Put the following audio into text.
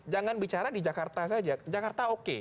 jangan bicara di jakarta saja jakarta oke